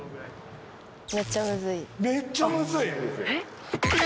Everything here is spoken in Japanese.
めっちゃむずい。